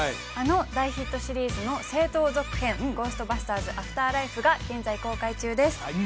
あの大ヒットシリーズの正統続編「ゴーストバスターズ／アフターライフ」が現在公開中です